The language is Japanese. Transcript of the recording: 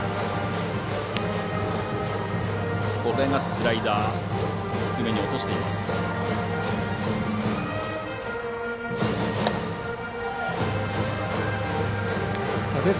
スライダー低めに落としています。